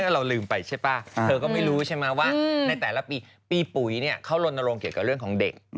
เราลืมไปใช่ป่ะเธอก็ไม่รู้ใช่ไหมว่าในแต่ละปีปีปุ๋ยเขาลนโรงเกี่ยวกับเรื่องของเด็ก